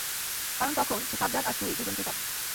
কারণ তখন, সে সাজ্জাদ আর তুই, দুজনকেই পাবে।